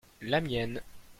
la mienne.